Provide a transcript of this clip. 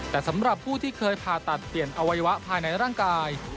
แต่สำหรับผู้ที่เคยผ่าตัดเปลี่ยนอวัยวะภายในร่างกาย